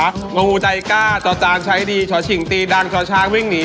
งงหูใจกล้าจะตาใช้ดีชอฉิ่งตีดังชอชางวิ่งหนี